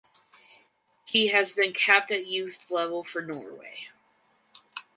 He has been capped at youth level for Norway.